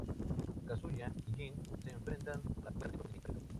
Kazuya y Jin se enfrentan a las afueras del templo, donde Jin sale vencedor.